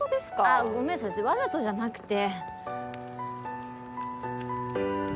あごめんわざとじゃなくて。